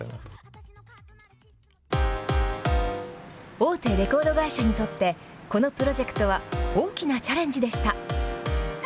大手レコード会社にとって、このプロジェクトは大きなチャレンジでした。